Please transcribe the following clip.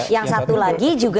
yang satu lagi juga